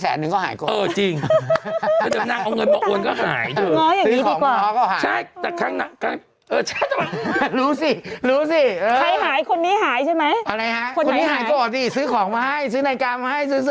เสมอนตีซื้อของมาให้ซื้อ